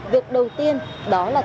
việc đầu tiên đó là